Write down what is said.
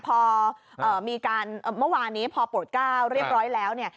พอมีการเมื่อวานนี้พอโปรดก้าวเรียบร้อยแล้วเนี่ย